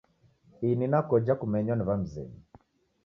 Ini nakoja kumenywa ni w'amzenyu